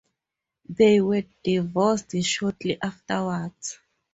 They were divorced shortly afterwards.